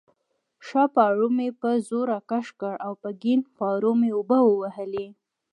ښی پارو مې په زور راکش کړ او په کیڼ پارو مې اوبه ووهلې.